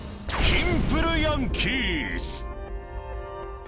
キンプるヤンキース。